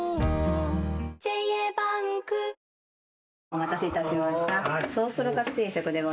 お待たせいたしました。